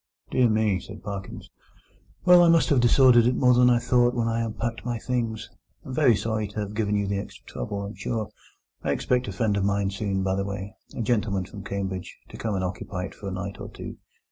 "Dear me," said Parkins. "Well, I may have disordered it more than I thought when I unpacked my things. I'm very sorry to have given you the extra trouble, I'm sure. I expect a friend of mine soon, by the way—a gentleman from Cambridge—to come and occupy it for a night or two.